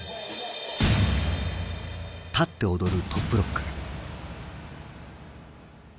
立って踊る「トップロック」。